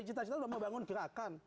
cita cita sudah membangun gerakan